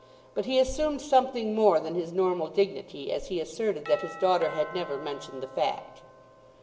But he assumed something more than his normal dignity as he asserted that his daughter had never mentioned the fact.